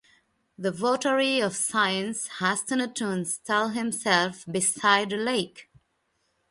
The votary of science hastened to install himself beside a lake.